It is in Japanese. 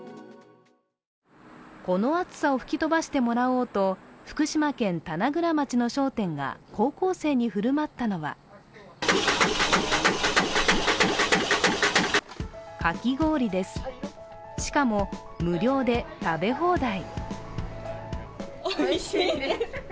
この暑さを吹き飛ばしてもらおうと福島県棚倉町の商店が高校生に振る舞ったのはかき氷です、しかも無料で食べ放題。